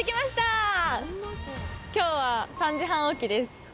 今日は３時半起きです。